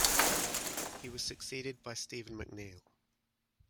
He was succeeded by Stephen McNeil.